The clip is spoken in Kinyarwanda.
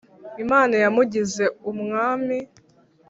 Imana yamugize Umwami